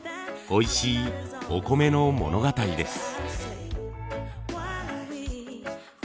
おいしいお米の物語です。